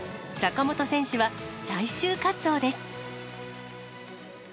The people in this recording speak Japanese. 坂本選手は最終滑走です。